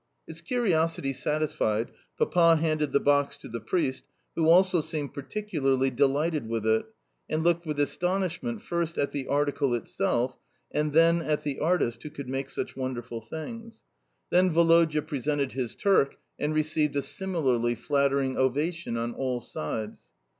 His curiosity satisfied, Papa handed the box to the priest, who also seemed particularly delighted with it, and looked with astonishment, first at the article itself, and then at the artist who could make such wonderful things. Then Woloda presented his Turk, and received a similarly flattering ovation on all sides.